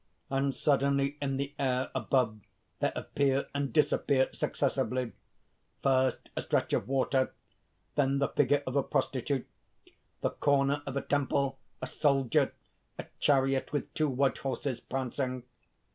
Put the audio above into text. _ _And suddenly in the air above there appear and disappear successively first, a stretch of water; then the figure of a prostitute; the corner of a temple, a soldier; a chariot with two white horses, prancing.